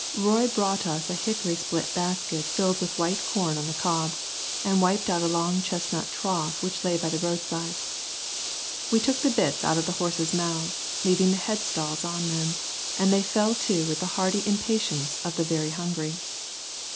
Roy brought us a hickory split basket filled with white corn on the cob, and wiped out a long chestnut trough which lay by the roadside. We took the bits out of the horses' mouths, leaving the headstalls on them, and they fell to with the hearty impatience of the very hungry.